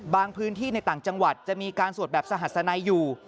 พื้นที่ในต่างจังหวัดจะมีการสวดแบบสหัสนัยอยู่